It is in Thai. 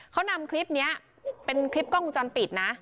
เขานำคลิปนี้เป็นคลิปกล้องวงจรปิดนะ